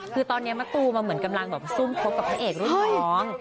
คือตอนนี้มะตูมันเหมือนกำลังแบบซุ่มคบกับพระเอกรุ่นน้อง